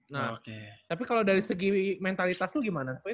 nah tapi kalau dari segi mentalitas itu gimana